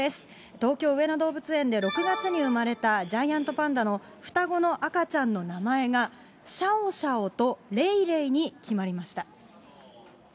東京・上野動物園で６月に産まれたジャイアントパンダの双子の赤ちゃんの名前が、シャオシャオとレイレイに決まりました。